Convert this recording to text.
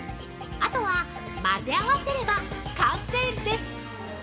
あとは混ぜれば完成です。